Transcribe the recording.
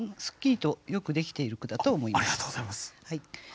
すっきりとよくできている句だと思います。